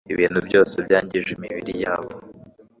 ibintu byose byangije imibiri yabo,